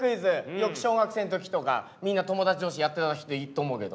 よく小学生の時とかみんな友達同士でやってた人いっと思うけど。